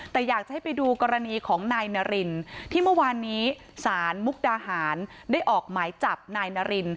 แต่อยากจะให้ไปดูกรณีของนายนารินที่เมื่อวานนี้ศาลมุกดาหารได้ออกหมายจับนายนาริน